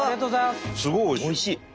すごいおいしい。